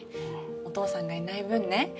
お父さんがいない分ね